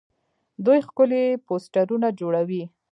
دوی ښکلي پوسټرونه جوړوي.